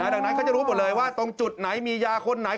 ดังนั้นเขาจะรู้หมดเลยว่าตรงจุดไหนมียาคนไหน